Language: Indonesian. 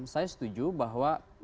saya setuju bahwa